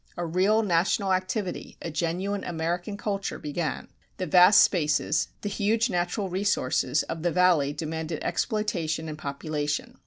A real national activity, a genuine American culture began. The vast spaces, the huge natural resources, of the Valley demanded exploitation and population.